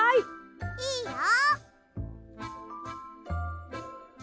いいよ。